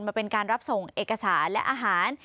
มาเป็นการรับส่งเอกสารและอาหาร